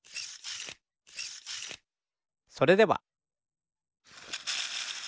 それでは。